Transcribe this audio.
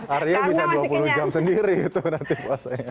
arya bisa dua puluh jam sendiri itu nanti puasanya